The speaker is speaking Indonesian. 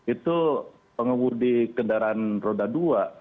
itu pengemudi kendaraan roda dua